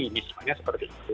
ini semuanya seperti itu